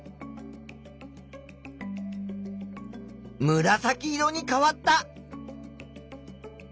むらさき色に変わった。